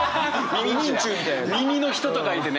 「耳の人」と書いてね！